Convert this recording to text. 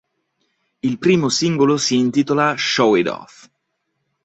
Il primo singolo si intitola "Show It Off"